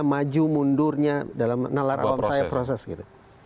maju mundurnya dalam nalar awam saya proses gitu